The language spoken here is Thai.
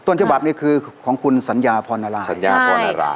ฉบับนี้คือของคุณสัญญาพรนาราสัญญาพรนารา